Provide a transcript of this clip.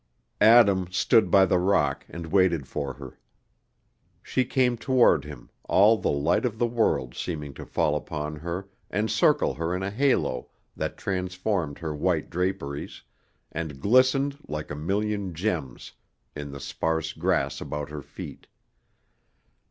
Adam stood by the rock and waited for her. She came toward him, all the light of the world seeming to fall upon her and circle her in a halo that transformed her white draperies, and glistened like a million gems in the sparse grass about her feet.